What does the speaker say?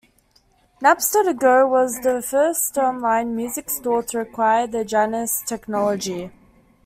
Napster To Go was the first online music store to require the Janus technology.